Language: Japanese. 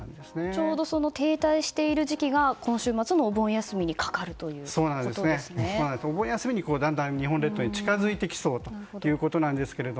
ちょうど停滞している時期が今週末のお盆休みにお盆休みにだんだん日本列島に近づいてきそうということです。